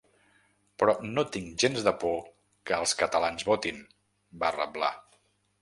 Però no tinc gens de por que els catalans votin, va reblar.